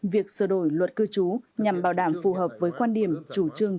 việc sửa đổi luật cư trú nhằm bảo đảm phù hợp với quan điểm chủ trương